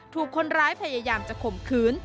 ถูกคนร้ายพยายามจะข่มขืน